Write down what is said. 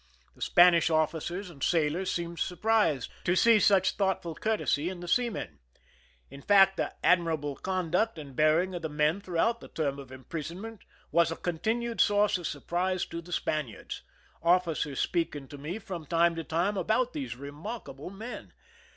The Spanish officers and sailors seemed surprised to see such thoughtful courtesy 140 IMPEISONMENT IN MOERO CASTLE in the seamen ; in fact, the admirable conduct and bearing of the men throughout the term of imprison ment was a continued source of surprise to the Spaniards, officers speaking to me from time to time about these remarkable men.